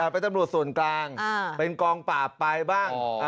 เป็นตำรวจส่วนกลางเป็นกองปราบไปบ้าง